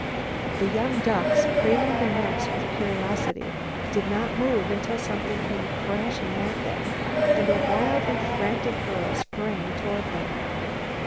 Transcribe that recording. The young ducks, craning their necks with curiosity, did not move until something came crashing at them, and a wildly frantic girl sprang toward them.